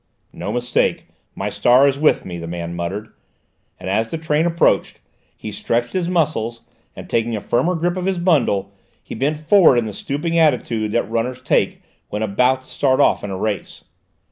"No mistake: my star is with me!" the man muttered, and as the train approached he stretched his muscles and, taking a firmer grip of his bundle, he bent forward in the stooping attitude that runners take when about to start off in a race.